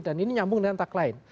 dan ini nyambung dengan tak lain